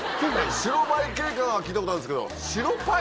白バイ警官は聞いたことあるんですけど白パイ？